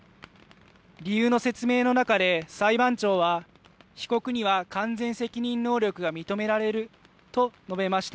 理由の説明の中で裁判長は被告には完全責任能力が認められると述べました。